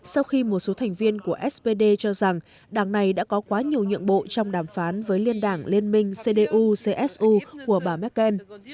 sau khi một số thành viên của spd cho rằng đảng này đã có quá nhiều nhượng bộ trong đàm phán với liên đảng liên minh cdu csu của bà merkel